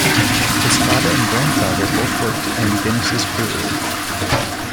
His father and grandfather both worked in Guinness's Brewery.